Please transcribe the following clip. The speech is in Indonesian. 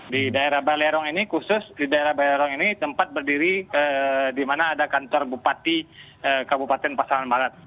di daerah balerong ini khusus di daerah balerong ini tempat berdiri di mana ada kantor bupati kabupaten pasaman barat